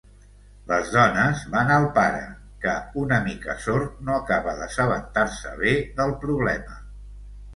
Les dones van al pare, que una mica sord, no acaba d'assabentar-se bé del problema.